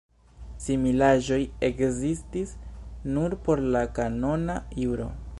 Similaĵoj ekzistis nur por la kanona juro.